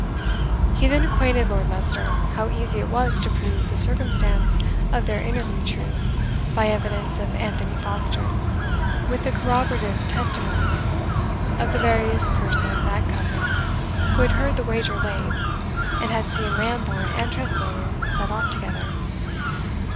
He then acquainted Lord Leicester how easy it was to prove the circumstance of their interview true, by evidence of Anthony Foster, with the corroborative testimonies of the various persons at Cumnor, who had heard the wager laid, and had seen Lambourne and Tressilian set off together.